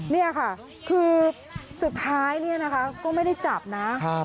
นี่ค่ะคือสุดท้ายก็ไม่ได้จับนะ